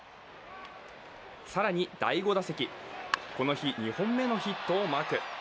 更に第５打席、この日２本目のヒットをマーク。